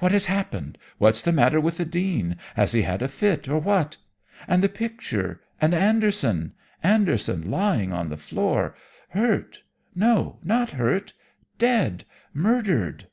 "'What has happened? What's the matter with the Dean? Has he had a fit, or what? And the picture? And Anderson? Anderson lying on the floor! Hurt? No, not hurt, dead! Murdered!'